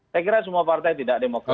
saya kira semua partai tidak demokrat